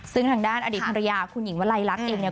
ซึ่งทางด้านอดีตภรรยาคุณหญิงวลัยลักษณ์เองเนี่ย